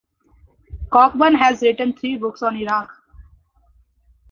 Cockburn has written three books on Iraq.